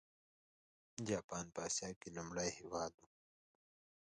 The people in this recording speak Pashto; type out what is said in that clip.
جاپان په اسیا کې لومړنی هېواد و.